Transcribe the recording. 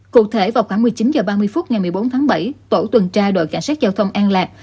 cụ thể vào khoảng một mươi chín h ba mươi phút ngày một mươi bốn tháng bảy tổ tuần tra đội cảnh sát giao thông an lạc